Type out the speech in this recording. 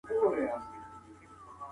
موږ باید د اوبو سپمولو ته پام وکړو.